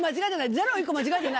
ゼロ１個間違えてない？